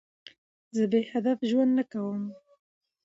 زه بېهدف ژوند نه کوم.